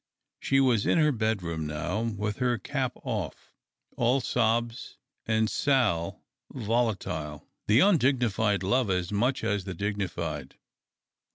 She was in her bedroom now% with her cap off, all sobs and sal volatile. The undignified love as much as the dignified.